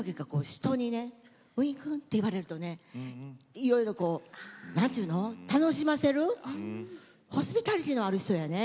人にねＷＩＮ君って言われるとねいろいろこう何て言うの楽しませるホスピタリティーのある人やね。